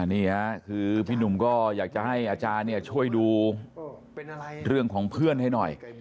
นี่ค่ะคือพี่หนุ่มก็อยากจะให้อาจารย์ช่วยดูเรื่องของเพื่อนให้หน่อย